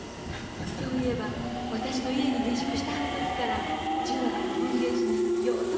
そういえば私の家に下宿してはる時から中学の文芸誌によう投稿してはりましたな。